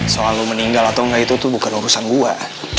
selalu meninggal atau nggak itu bukan urusan gue